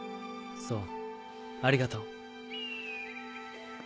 そうありがとう。